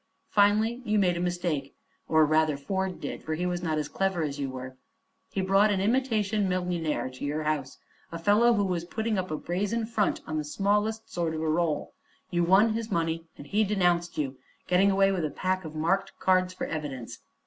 "Finally you made a mistake or rather Ford did, for he was not as clever as you were. He brought an imitation millionaire to your house; a fellow who was putting up a brazen front on the smallest sort of a roll. You won his money and he denounced you, getting away with a pack of marked cards for evidence.